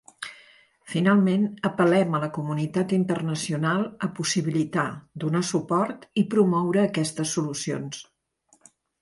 Finalment, apel·lem a la comunitat internacional a possibilitar, donar suport i promoure aquestes solucions.